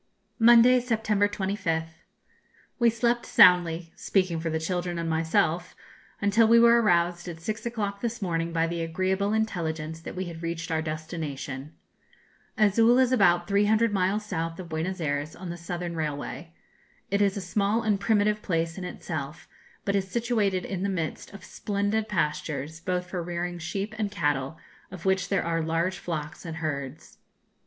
Monday, September 25th. We slept soundly speaking for the children and myself until we were aroused at six o'clock this morning by the agreeable intelligence that we had reached our destination. Azul is about 300 miles south of Buenos Ayres, on the Southern Railway. It is a small and primitive place in itself, but is situated in the midst of splendid pastures, both for rearing sheep and cattle, of which there are large flocks and herds.